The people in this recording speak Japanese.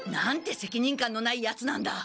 責任感のないヤツなんだ。